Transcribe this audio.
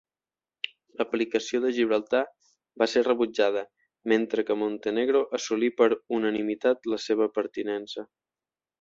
L'aplicació de Gibraltar va ser rebutjada, mentre que Montenegro assolí per unanimitat la seva pertinença.